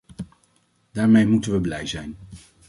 Daarmee moeten we blij zijn.